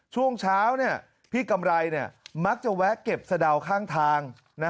ช่วงเช้าพี่กำไรมักจะแวะเก็บสะดาวข้างทาง